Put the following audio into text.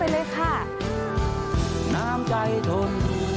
นามใจทบ